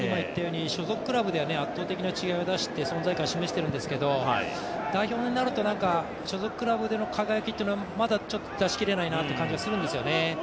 所属クラブでは圧倒的な違いを出して、存在感を示しているんですけど代表になると所属クラブでの輝きというのはまだちょっと出し切れないなって感じがするんですよね。